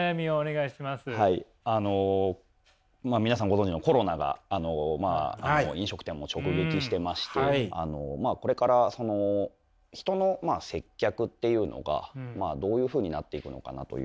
ご存じのコロナがまあ飲食店も直撃してましてこれから人の接客っていうのがどういうふうになっていくのかなというか。